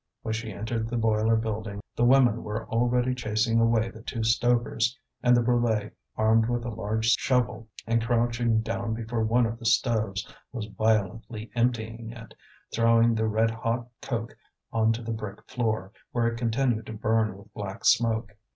When she entered the boiler building the women were already chasing away the two stokers, and the Brulé, armed with a large shovel, and crouching down before one of the stoves, was violently emptying it, throwing the red hot coke on to the brick floor, where it continued to burn with black smoke.